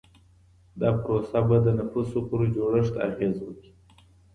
دا پروسه به د نفوسو پر جوړښت اغېزه وکړي.